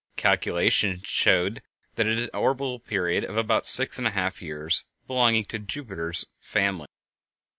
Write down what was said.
Calculation showed that it had an orbital period of about six and a half years, belonging to Jupiter's "family."